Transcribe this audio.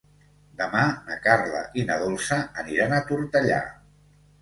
Demà na Carla i na Dolça aniran a Tortellà.